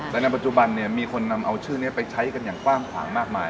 แต่ในปัจจุบันเนี่ยมีคนนำเอาชื่อนี้ไปใช้กันอย่างกว้างขวางมากมาย